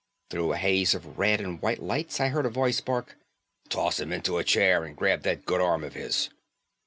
Through a haze of red and white lights I heard a voice bark, "Toss him into a chair and grab that good arm of his."